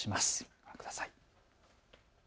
ご覧ください。